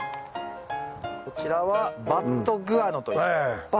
こちらはバットグアノ？